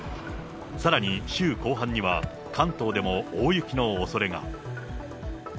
さらに週後半には関東でも大雪のおそれが。